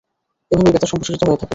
এভাবেই বেতার সম্প্রচারিত হয়ে থাকে।